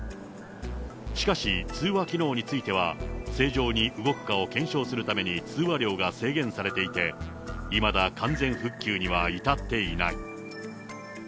しかし、通話機能については、正常に動くかを検証するために通話量が制限されていて、いまだ完全復旧には至っていない。